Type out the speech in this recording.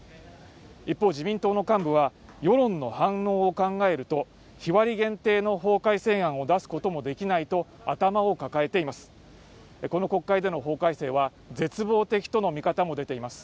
一方自民党の幹部は世論の反応を考えると日割り限定の法改正案を出すこともできないと頭を抱えています